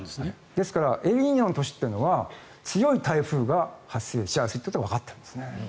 ですから、エルニーニョの年というのは強い台風が発生しやすいというのがわかっているんですね。